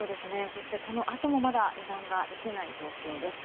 そして、このあともまだ油断ができない状況です。